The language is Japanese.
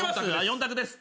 ４択です。